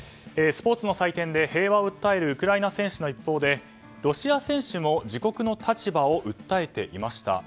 スポーツの祭典で平和を訴えるウクライナ選手の一方でロシア選手も自国の立場を訴えていました。